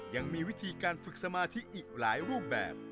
ยังมีวิธีการฝึกสมาธิอีกหลายรูปแบบ